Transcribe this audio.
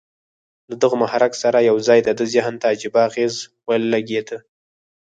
له دغه محرک سره یو ځای د ده ذهن ته عجيبه اغېز ولېږدېد